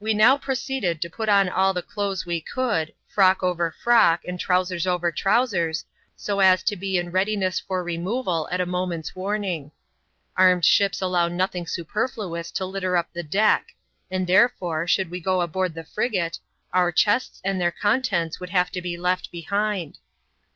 We now proceeded to put on all the clothes we could — frock over frock, and trowsers over trowsers — so as to b^ va. t^svjKl* ness for removal at a moment's warning. Airtie^ ^\^^ \sStfyH 106 ADVENTURES IN THE SOUTH SEAS. [chap. xxvn. nothing superfluous to litter up the deck; and therefore, should we go aboard the frigate, our chests and their contents would have to be left behind.